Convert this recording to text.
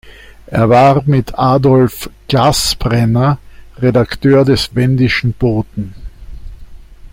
Er war mit Adolf Glaßbrenner Redakteur des "Wendischen Boten".